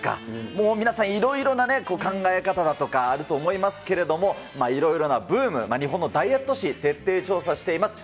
もう皆さん、いろいろな考え方だとかあると思いますけれども、いろいろなブーム、日本のダイエット史、徹底調査しています。